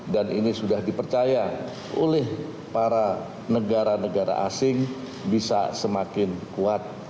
dan ini sudah dipercaya oleh para negara negara asing bisa semakin kuat